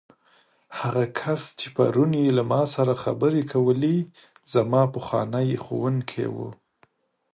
هغه کس چې پرون یې له ما سره خبرې کولې، زما پخوانی ښوونکی و.